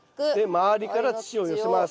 周りから土を寄せます。